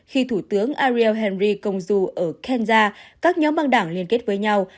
khi thủ tướng ariel henry công du ở kenya các nhóm băng đảng liên kết với nhau